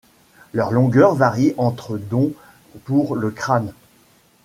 Leur longueur varie entre dont pour le crâne.